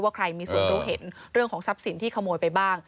ใครมีส่วนรู้เห็นเรื่องของทรัพย์สินที่ขโมยไปบ้าง